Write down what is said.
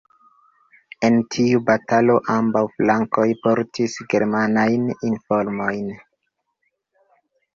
En tiu batalo, ambaŭ flankoj portis germanajn uniformojn.